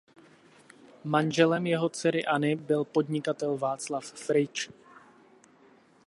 Manželem jeho dcery Anny byl podnikatel Václav Frič.